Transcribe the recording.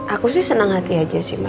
aku sih senang hati aja sih mbak